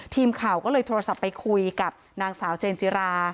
ทีมข่าวก็เลยโทรศัพท์ไปคุยกับนางสาวเจนจิรา